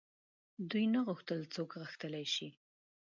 دوی نه غوښتل څوک غښتلي شي.